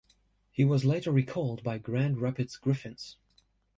He was later recalled by Grand Rapids Griffins.